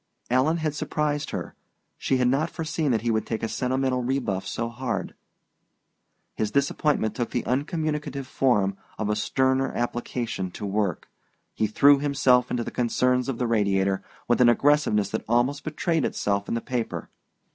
Alan had surprised her: she had not foreseen that he would take a sentimental rebuff so hard. His disappointment took the uncommunicative form of a sterner application to work. He threw himself into the concerns of the Radiator with an aggressiveness that almost betrayed itself in the paper.